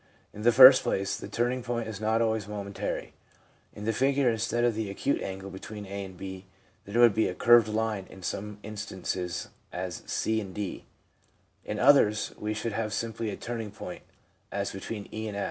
In the first place, the turning point is not always momentary. In the figure, instead of the acute angle between a and b> there would be a curved line in some instances, as c, d. In others we should have simply a turning point, as between e and